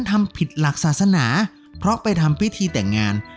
ทำผิดหลักศาสนาเพราะไปทำพิธีแต่งงาน